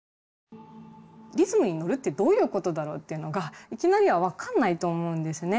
リズムにのるってどういうことだろうっていうのがいきなりは分かんないと思うんですね。